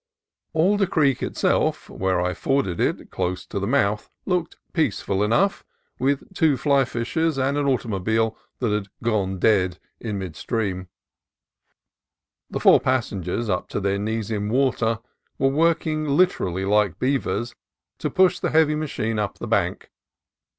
Alder Creek itself, where I forded it close to the mouth, looked peaceful enough, with two fly fishers and an automobile that had "gone dead" in mid GREENWOOD 273 stream. The four passengers, up to their knees in water, were working, literally like beavers, to push the heavy machine up the bank.